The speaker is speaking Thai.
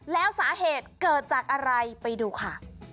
แล้วสาเหตุเกิดจากอะไรไปดูค่ะ